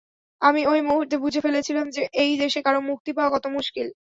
আমি ওই মূহুর্তেই বুঝে ফেলেছিলাম যে, এই দেশে কারো মুক্তি পাওয়া কত মুশকিল।